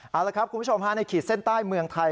เอาละครับคุณผู้ชมฮะในขีดเส้นใต้เมืองไทย